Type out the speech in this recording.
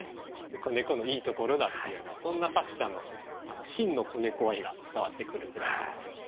子猫のいいところだっていうようなそんな作者の真の子猫愛が伝わってくる句だと思います。